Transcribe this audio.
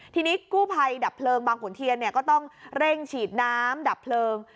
ทีนี้กู้ภัยดับเพลิงบางขุนเทียนก็ต้องเร่งฉีดน้ำดับเพลิง